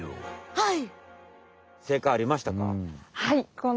はい。